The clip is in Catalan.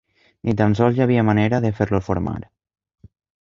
Ni tan sols hi havia manera de fer-los formar.